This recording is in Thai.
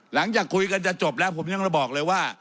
หลังจากคุยกันจะจบแล้วผมยังจะบอกเลยว่า